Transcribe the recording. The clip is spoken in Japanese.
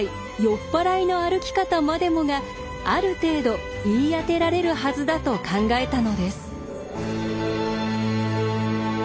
酔っ払いの歩き方までもがある程度言い当てられるはずだと考えたのです。